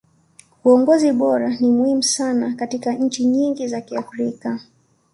uongozi bora ni muhimu sana katika nchi nyingi za kiafrika